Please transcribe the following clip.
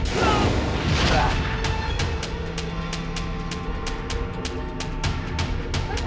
tapi aku kagam